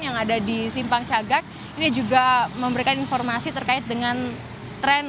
yang ada di simpang cagak ini juga memberikan informasi terkait dengan tren